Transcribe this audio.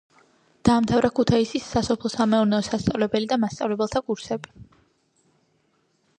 დაამთავრა ქუთაისის სასოფლო-სამეურნეო სასწავლებელი და მასწავლებელთა კურსები.